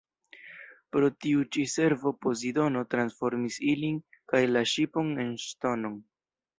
Pro tiu ĉi servo Pozidono transformis ilin kaj la ŝipon en ŝtonon.